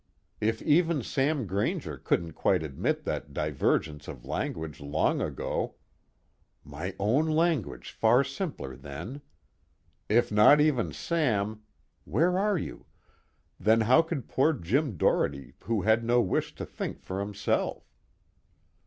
If even Sam Grainger couldn't quite admit that divergence of language long ago (my own language far simpler then!) if not even Sam (where are you?) then how could poor Jim Doherty who had no wish to think for himself?